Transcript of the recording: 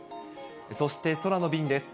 そして、空の便です。